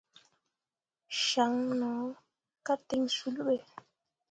Caŋne no ka ten sul be.